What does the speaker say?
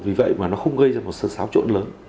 vì vậy mà nó không gây ra một sự xáo trộn lớn